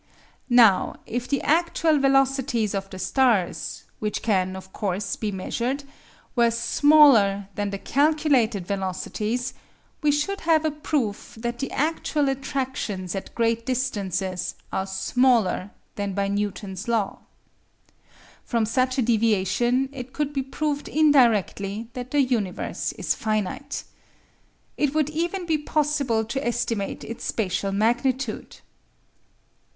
Now if the actual velocities of the stars, which can, of course, be measured, were smaller than the calculated velocities, we should have a proof that the actual attractions at great distances are smaller than by Newton's law. From such a deviation it could be proved indirectly that the universe is finite. It would even be possible to estimate its spatial magnitude.